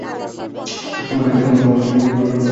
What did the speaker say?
এখানে স্মার্টফোনের সাথে যোগসূত্রটাই বা কোথায়?